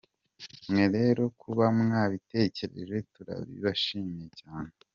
Mwe rero kuba mwabitekereje turabibashimiye cyane.